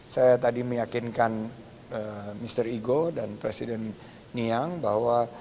saya tadi meyakinkan mr igo dan presiden niang bahwa